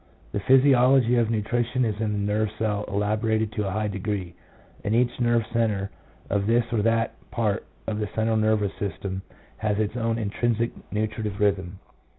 "The physiology of nutrition is in the nerve cell elaborated to a high degree, and each nerve centre of this or that part of the central nervous system has its own intrinsic nutritive rhythm.